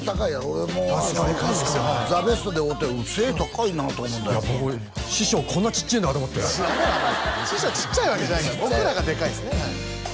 俺もう「ザ・ベスト」で会うて背高いなと思っていや僕も師匠こんなちっちゃいんだと思って師匠ちっちゃいわけじゃないから僕らがでかいんですね